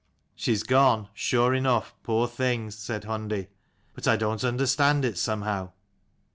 " She's gone, sure enough, poor thing," said Hundi :" but I dont understand it, somehow."